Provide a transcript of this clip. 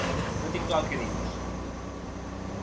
No tinc clar el que dius.